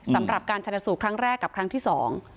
สำหรับการชนสูตรครั้งแรกกับครั้งที่สอง